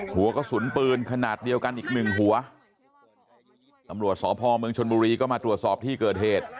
หัวกระสุนปืนขนาดเดียวกันอีกหนึ่งหัวตำรวจสพเมืองชนบุรีก็มาตรวจสอบที่เกิดเหตุ